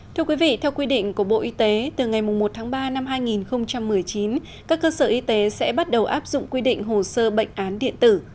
thưa quý vị theo quy định của bộ y tế từ ngày một tháng ba năm hai nghìn một mươi chín các cơ sở y tế sẽ bắt đầu áp dụng quy định hồ sơ bệnh án điện tử